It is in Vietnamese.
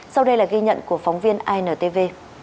sau đây là ghi nhận của phóng viên intv